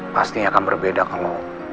pastinya akan berbeda kalau